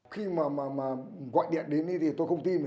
khi mà gọi điện đến thì tôi không tin